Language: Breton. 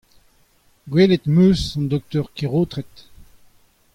Gwelet em eus an doktor Keraotred.